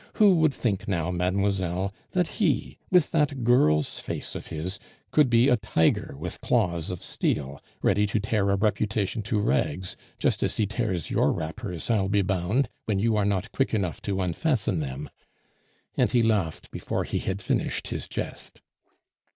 Who would think now, mademoiselle, that he, with that girl's face of his, could be a tiger with claws of steel, ready to tear a reputation to rags, just as he tears your wrappers, I'll be bound, when you are not quick enough to unfasten them," and he laughed before he had finished his jest.